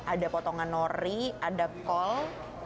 ada potongan nori ada kol